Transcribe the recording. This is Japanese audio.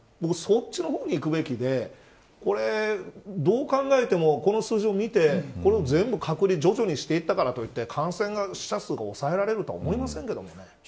そっちの方にいくべきでどう考えてもこの数字を見て、これを全部隔離を徐々にしていったからといって感染者数が抑えられるとは思いませんけどね。